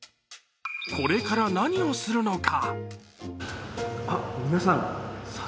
これから何をするのか？